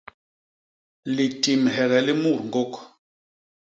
Litimhege li mut ñgôk.